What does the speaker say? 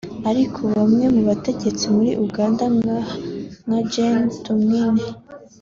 ariko bamwe mu bategetsi muri Uganda nka Gen Tumwine